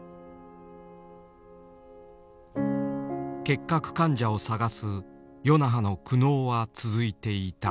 結核患者を探す与那覇の苦悩は続いていた。